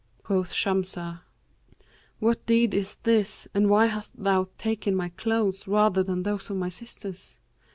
Quoth Shamsah, 'What deed is this, and why hast thou taken my clothes, rather than those of my sisters?'